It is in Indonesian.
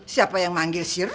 siapa yang manggil si roh